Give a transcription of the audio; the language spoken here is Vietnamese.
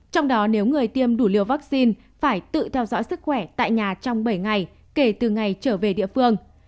trong đó nếu người tiêm đủ liều vaccine phải tự theo dõi sức khỏe tại nhà trong bảy ngày kể từ ngày trở về địa phương